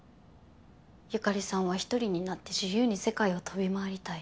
由香里さんは１人になって自由に世界を飛び回りたい。